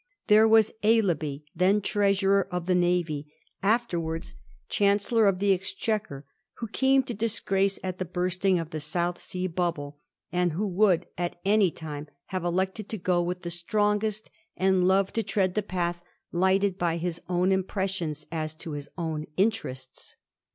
There was Aislabie, then Treasurer of the Navy, afterwards Chancellor of Digiti zed by Google 138 A HISTORY OF THE POUR QEORaES. ch.yi. the Exchequer, who came to disgrace at the bursting of the South Sea Bubble, and who would at any time have elected to go with the strongest, and loved to tread the path lighted by his own impressions as to his own interests.